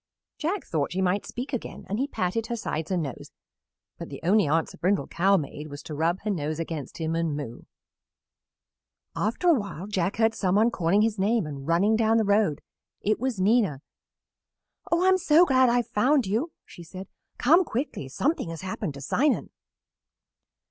Jack thought she might speak again and he patted her sides and nose, but the only answer Brindle Cow made was to rub her nose against him and moo. After a while Jack heard some one calling his name and running down the road. It was Nina. "Oh, I am so glad I have found you!" she said. "Come quickly; something has happened to Simon."